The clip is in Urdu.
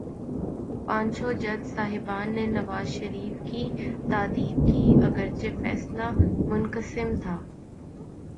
پانچوں جج صاحبان نے نواز شریف کی تادیب کی، اگرچہ فیصلہ منقسم تھا۔